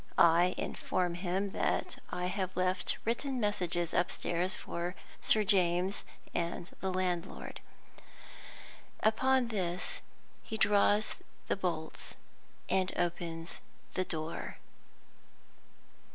I inform him that I have left written messages upstairs for Sir James and the landlord. Upon this he draws the bolts and opens the door.